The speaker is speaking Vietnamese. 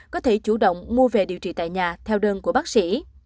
có thể chủ động mua về điều trị tại nhà theo đơn của bác sĩ